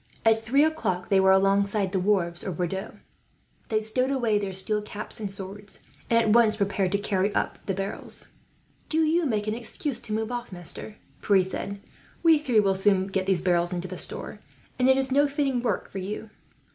At three o'clock they were alongside the wharves of Bordeaux. They stowed away their steel caps and swords, and at once prepared to carry up the barrels. "Do you make an excuse to move off, master," Pierre said; "we three will soon get these barrels into the store, and it is no fitting work for you."